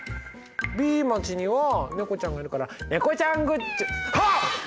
Ｂ町には猫ちゃんがいるから猫ちゃんグッズああ！